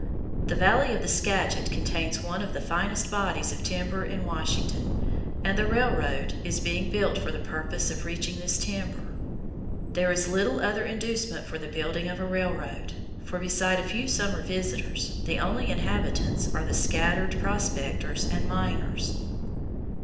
The valley of the Skagit contains one of the finest bodies of timber in Washington, and the railroad is being built for the purpose of reaching this timber. There is little other inducement for the building of a railroad; for beside a few summer visitors, the only inhabitants are the scattered prospectors and miners.